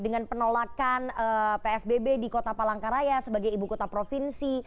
dengan penolakan psbb di kota palangkaraya sebagai ibu kota provinsi